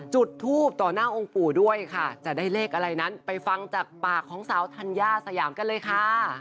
จุดทูปต่อหน้าองค์ปู่ด้วยค่ะจะได้เลขอะไรนั้นไปฟังจากปากของสาวธัญญาสยามกันเลยค่ะ